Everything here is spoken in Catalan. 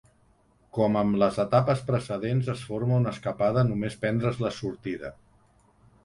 Com en les etapes precedents es forma una escapada només prendre's la sortida.